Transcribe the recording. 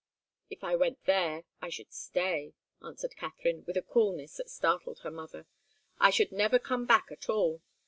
"If I went there, I should stay," answered Katharine, with a coolness that startled her mother. "I should never come back at all.